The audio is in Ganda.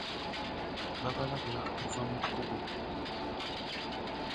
Babalabula okuva ku kubbo.